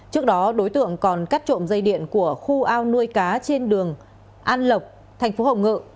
trước đó đối tượng còn cắt trộm dây điện của khu ao nuôi cá trên đường an lộc thành phố hồng ngự